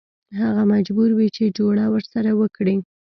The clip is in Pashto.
هغه مجبور وي چې جوړه ورسره وکړي.